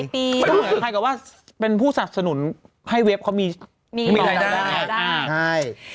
ใครก็ว่าเป็นผู้สนับสนุนให้เว็บเขามีรายได้